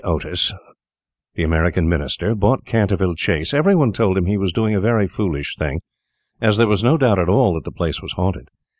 Otis, the American Minister, bought Canterville Chase, every one told him he was doing a very foolish thing, as there was no doubt at all that the place was haunted.